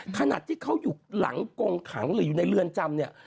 ขนาดที่เขาอยู่หลังกงขังหรืออยู่ในเรือนจำเนี่ย